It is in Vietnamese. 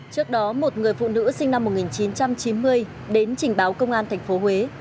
trước đó một người phụ nữ sinh năm một nghìn chín trăm chín mươi đến trình báo công an tp huế